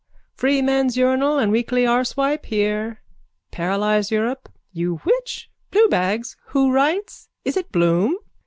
Freeman's Urinal and Weekly Arsewipe here. Paralyse Europe. You which? Bluebags? Who writes? Is it Bloom?